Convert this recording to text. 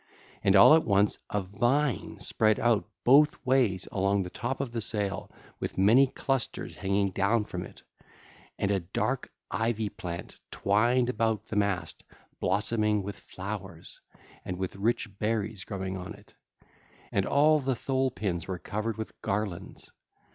And all at once a vine spread out both ways along the top of the sail with many clusters hanging down from it, and a dark ivy plant twined about the mast, blossoming with flowers, and with rich berries growing on it; and all the thole pins were covered with garlands.